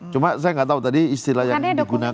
cuma saya nggak tahu tadi istilah yang digunakan